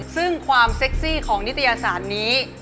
ซึ่งความเซ็กซี่ของนิตยสารนี้